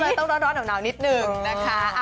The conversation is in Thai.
ก็เลยต้องร้อนหนาวนิดหนึ่งนะคะ